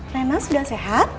rena sudah sehat